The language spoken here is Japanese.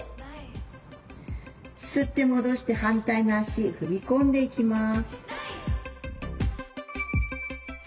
吸って戻して反対の足踏み込んでいきます。